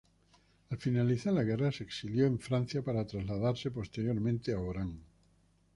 Al finalizar la guerra se exilió en Francia para trasladarse posteriormente a Orán.